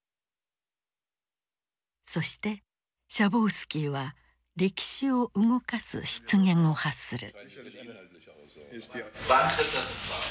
そしてシャボウスキーは歴史を動かす失言を発する。